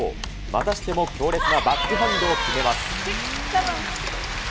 またしても強烈なバックハンドを決めます。